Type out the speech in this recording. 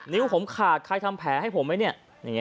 นิ้วผมขาดใครทำแผลให้ผมไหมเนี่ย